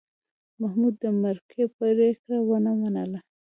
محمود د مرکې پرېکړه ونه منله.